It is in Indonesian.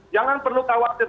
jangan perlu khawatir